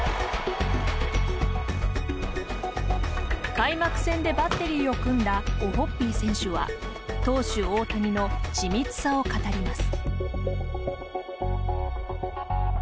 開幕戦でバッテリーを組んだオホッピー選手は投手・大谷の緻密さを語ります。